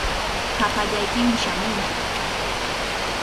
Hapallaykimi shamunki.